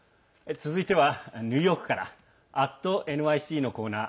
続いてはニューヨークから「＠ｎｙｃ」のコーナー。